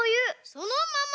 そのまま！